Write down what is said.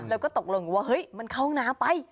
แล้วก็ตกลงว่ามันเข้าห้องน้ำไป